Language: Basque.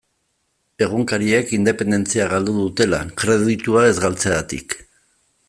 Egunkariek independentzia galdu dutela, kreditua ez galtzegatik.